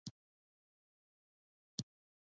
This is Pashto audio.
د ارغنداب جهیل اوبه څښلو وړ دي؟